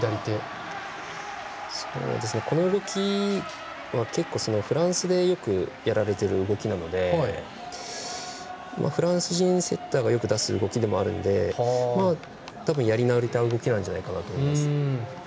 この動きは結構フランスでやられてる動きなのでフランス人セッターがよく出す動きでもあるので特にやり慣れた動きなんじゃないかなと思います。